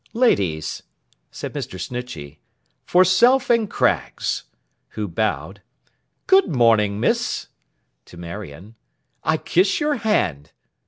'Ladies!' said Mr. Snitchey, 'for Self and Craggs,' who bowed, 'good morning! Miss,' to Marion, 'I kiss your hand.